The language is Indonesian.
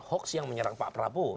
hoax yang menyerang pak prabowo